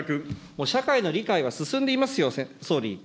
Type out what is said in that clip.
もう社会の理解は進んでいますよ、総理。